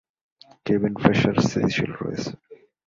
Cabin pressure স্থিতিশীল রয়েছে।